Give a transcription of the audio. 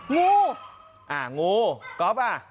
งู้งู้ก็เหรอป่าว